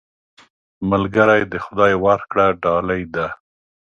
ملګری د خدای ورکړه ډالۍ ده